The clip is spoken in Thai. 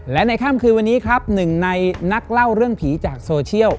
และในค่ำคืนวันนี้ครับหนึ่งในนักเล่าเรื่องผีจากโซเชียล